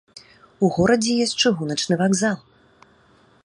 У горадзе ёсць чыгуначны вакзал.